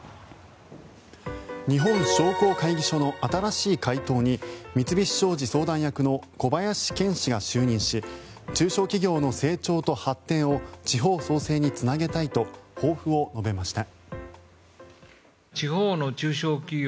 日本商工会議所の新しい会頭に三菱商事相談役の小林健氏が就任し中小企業の成長と発展を地方創生につなげたいと抱負を述べました。